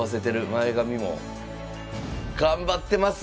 前髪も。頑張ってますやん！